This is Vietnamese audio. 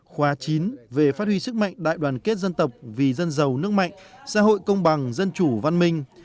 khóa chín về phát huy sức mạnh đại đoàn kết dân tộc vì dân giàu nước mạnh xã hội công bằng dân chủ văn minh